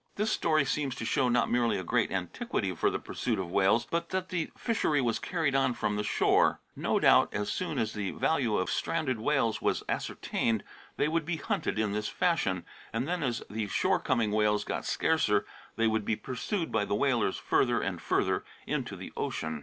This story seems to show not merely a great antiquity for the pursuit of whales, but that the fishery was carried on from the shore. No doubt as soon as the value of stranded whales was ascertained they would be hunted in this fashion, and then as the shore coming whales got scarcer they would be pursued by the whalers further and further into the ocean.